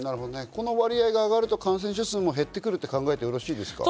この割合が上がると感染者数も減ってくると考えてよろしいですか？